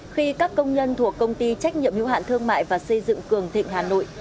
khi các công nhân thuộc công ty trách nhiệm hữu hạn thương mại và xây dựng cường thịnh hà nội